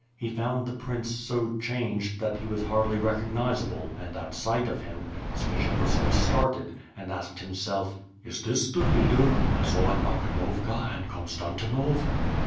He fouAd the prince so changed that he was hardly recog nizable and, at sight of him, Skshetuski started, and asked himself, ^Is this the leader whom I saw at Makhnovka and at Konstantinov?'